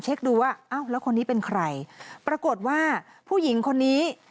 ดูว่าอ้าวแล้วคนนี้เป็นใครปรากฏว่าผู้หญิงคนนี้